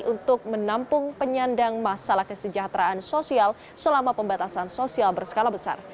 untuk menampung penyandang masalah kesejahteraan sosial selama pembatasan sosial berskala besar